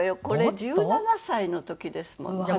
これ１７歳の時ですもの。